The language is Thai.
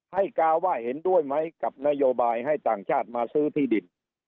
ให้กาว่าเห็นด้วยไหมกับนโยบายให้ต่างชาติมาซื้อที่ดิน